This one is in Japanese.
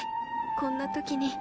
こんな時に。